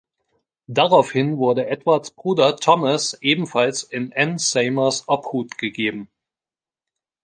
Daraufhin wurde Edwards Bruder Thomas ebenfalls in Anne Seymours Obhut gegeben.